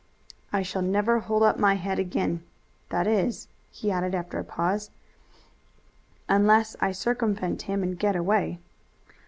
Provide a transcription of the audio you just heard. "I shall never hold up my head again that is," he added after a pause, "unless I circumvent him and get away."